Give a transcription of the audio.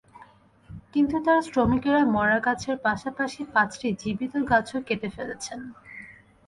কিন্তু তাঁর শ্রমিকেরা মরা গাছের পাশাপাশি পাঁচটি জীবিত গাছও কেটে ফেলেছেন।